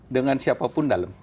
dengan siapapun dalam